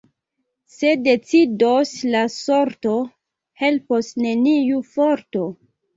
Se decidos la sorto, helpos neniu forto.